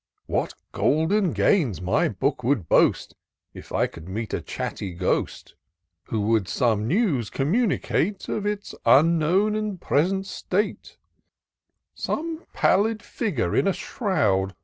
What golden gains my book would boast, If I could meet a chatty ghost. Who would some news communicate Of its unknown and present state : Some pallid figure in a shroud.